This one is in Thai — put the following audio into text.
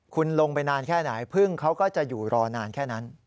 คุณลงไปนานแค่ไหนพึ่งเขาก็จะอยู่รอนานแค่นั้น